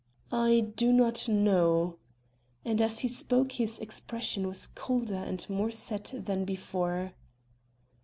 "I do not know." And as he spoke his expression was colder and more set than before.